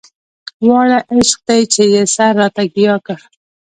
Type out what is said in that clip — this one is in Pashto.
واړه عشق دی چې يې سر راته ګياه کړ.